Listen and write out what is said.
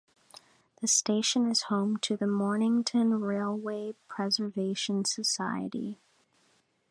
The station is home to the Mornington Railway Preservation Society.